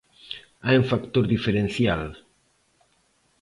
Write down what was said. Hai un factor diferencial.